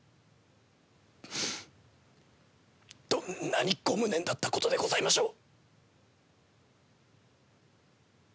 どんなにご無念だったことでございましょう。